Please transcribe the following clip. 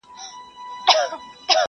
له سپاهيانو يې ساتلم پټولم؛